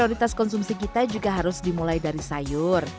prioritas konsumsi kita juga harus dimulai dari sayur